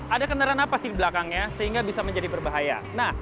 ada kendaraan apa sih di belakangnya sehingga bisa menjadi berbahaya